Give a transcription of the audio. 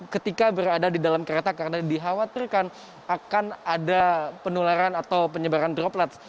ketika berada di dalam kereta karena dikhawatirkan akan ada penularan atau penyebaran droplets